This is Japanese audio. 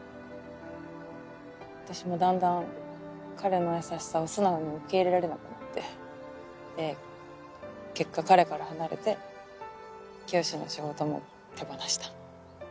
私もだんだん彼の優しさを素直に受け入れられなくなってで結果彼から離れて教師の仕事も手放した。